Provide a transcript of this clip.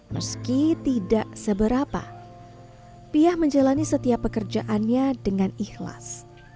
meski tidak seberapa piah menjalani setiap pekerjaannya dengan ikhlas